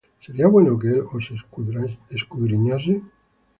¿Sería bueno que él os escudriñase?